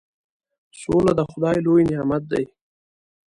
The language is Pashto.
سوله د خدای لوی نعمت دی.